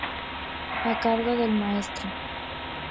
A cargo del Mtro.